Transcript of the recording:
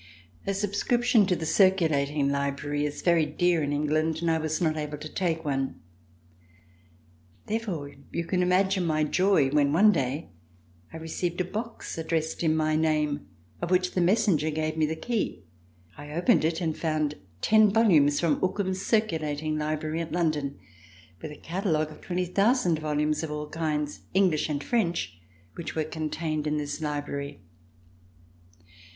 A sub scription to the Circulating Library is very dear in England and I was not able to take one. Therefore, you can imagine my joy when one day I received a box addressed in my name, of which the messenger C300] LIFE AT RICHMOND gave me the key. I opened it and found ten volumes from Ookam's Circulating Library at London, with a catalogue of twenty thousand volumes of all kinds, English and French, which were contained in this library.